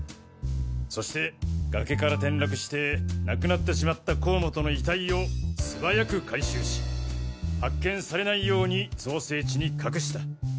そして崖から転落して亡くなってしまった甲本の遺体を素早く回収し発見されないように造成地に隠した。